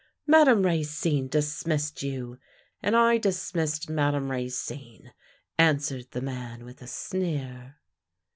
" Madame Racine dismissed you." " And I dismissed jNIadame Racine," answered the man, with a sneer.